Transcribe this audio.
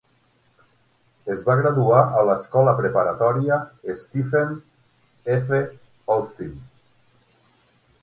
Es va graduar a l'Escola Preparatòria Stephen F. Austin.